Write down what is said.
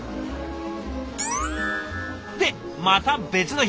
でまた別の日。